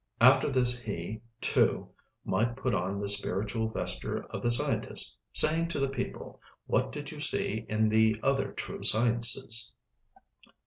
After this he, too, might put on the spiritual vesture of the scientist, saying to the people: What did you see in the other true sciences?